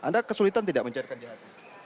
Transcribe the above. anda kesulitan tidak mencairkan jahat tbpjs